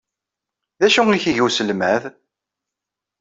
D acu ay ak-iga uselmad?